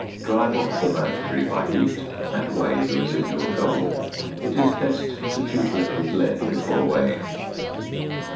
Drive off the mercury by heat, and weigh the residual gold. It is best to cupel it with lead before weighing.